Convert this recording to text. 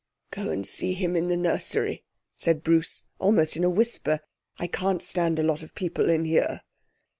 'Go and see him in the nursery,' said Bruce, almost in a whisper. 'I can't stand a lot of people in here.'